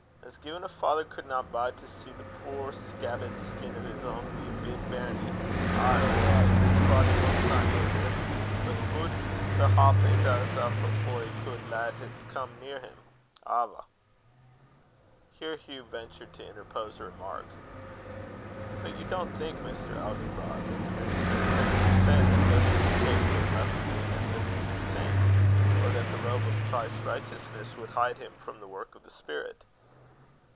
As gin a father cudna bide to see the puir scabbit skin o' his ain wee bit bairnie, ay, or o' his prodigal son either, but bude to hap it a' up afore he cud lat it come near him! Ahva!" Here Hugh ventured to interpose a remark. "But you don't think, Mr. Elginbrod, that the minister intended to say that justification left a man at liberty to sin, or that the robe of Christ's righteousness would hide him from the work of the Spirit?"